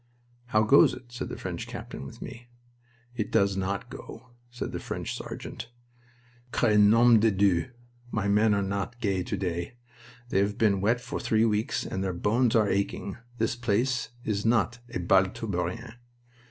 "How goes it?" said the French captain with me. "It does not go," said the French sergeant. "'Cre nom de Dieu! my men are not gay to day. They have been wet for three weeks and their bones are aching. This place is not a Bal Tabourin.